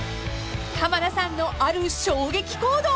［浜田さんのある衝撃行動］